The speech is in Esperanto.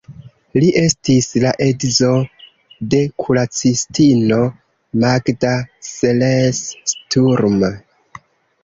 Li estis la edzo de kuracistino Magda Seres-Sturm.